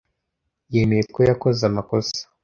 Yemeye ko yakoze amakosa.